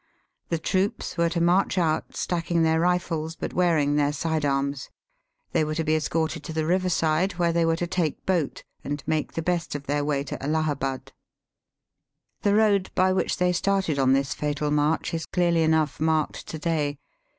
The troops were to march out, stacking their rifles, but wearing their side arms. They were to be escorted to the riverside, where they were to take boat and make the best of their way to Allahabad. The road by which they started on this fatal march is clearly enough marked to day.